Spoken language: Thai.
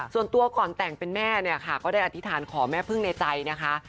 ส่วนตัวก่อนแต่งเป็นแม่เนี่ยค่ะก็ได้อธิษฐานขอแม่พึ่งในใจนะคะ